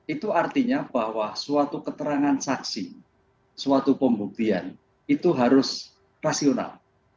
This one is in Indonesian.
itu artinya bahwa suatu keterangan saksi suatu pembuktian itu harus rasional